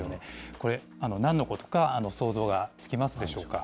これ、なんのことか想像がつきますでしょうか。